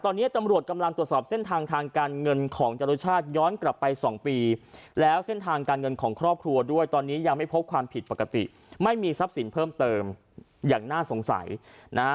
ตอนนี้ตำรวจกำลังตรวจสอบเส้นทางทางการเงินของจรุชาติย้อนกลับไปสองปีแล้วเส้นทางการเงินของครอบครัวด้วยตอนนี้ยังไม่พบความผิดปกติไม่มีทรัพย์สินเพิ่มเติมอย่างน่าสงสัยนะฮะ